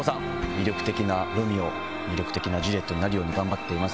魅力的なロミオ魅力的なジュリエットになるように頑張っています。